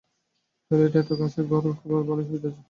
টয়লেটের এত কাছে ঘর হবার ভালোই সুবিধা আছে।